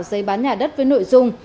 giấy bán nhà đất với nội dung